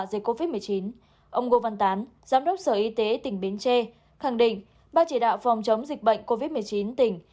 dịch covid một mươi chín ông ngô văn tán giám đốc sở y tế tỉnh bến tre khẳng định ba chỉ đạo phòng chống dịch bệnh covid một mươi chín tỉnh